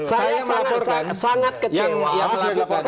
saya sangat kecewa